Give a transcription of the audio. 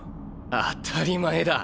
当たり前だ。